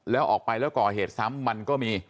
แล้วออกไปแล้วก่อเหตุซ้ำมันก็มี